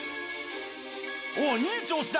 おっいい調子だ！